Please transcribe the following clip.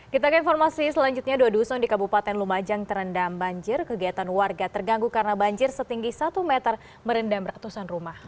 kita ke informasi selanjutnya dua dusun di kabupaten lumajang terendam banjir kegiatan warga terganggu karena banjir setinggi satu meter merendam ratusan rumah